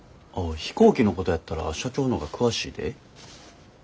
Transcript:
飛行機のことやったら社長の方が詳しいで？